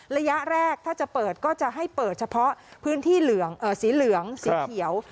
ระยะแรกถ้าจะเปิดก็จะให้เปิดเฉพาะพื้นที่เหลืองสีเหลืองสีเขียว